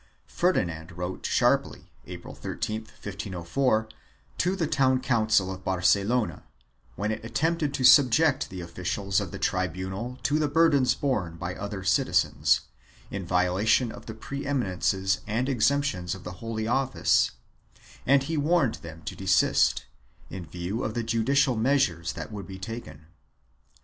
Ferdinand wrote sharply, April 13, 1504, to the town council of Barcelona, when it attempted to subject the officials of the tribunal to the burdens borne by other citizens, in violation of the pre eminences and exemptions of the Holy Office, and he warned them to desist, in view of the judicial measures that would be taken.